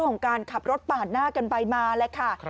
ของการขับรถปาดหน้ากันไปมาแล้วค่ะ